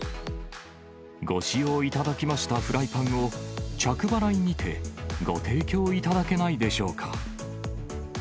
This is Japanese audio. ご使用いただきましたフライパンを、着払いにてご提供いただけないでしょうか？